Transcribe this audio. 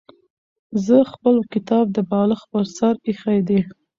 زه خپل کتاب د بالښت پر سر ایښی دی.